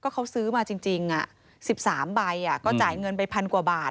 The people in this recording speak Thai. เขาซื้อมาจริง๑๓ใบก็จ่ายเงินไปพันกว่าบาท